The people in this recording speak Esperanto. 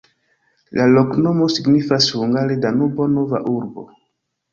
La loknomo signifas hungare Danubo-nova-urbo.